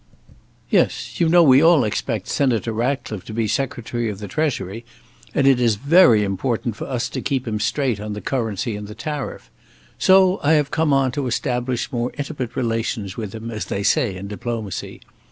"Yes; you know we all expect Senator Ratcliffe to be Secretary of the Treasury, and it is very important for us to keep him straight on the currency and the tariff. So I have come on to establish more intimate relations with him, as they say in diplomacy.